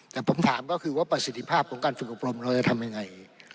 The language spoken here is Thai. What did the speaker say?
แต่ผมถามก็คือว่าประสิทธิภาพของการฝึกอบรมเราจะทำยังไง